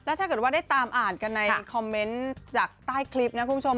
ถ้าเกิดว่าได้ตามอ่านกันในคอมเมนต์จากใต้คลิปนะคุณผู้ชม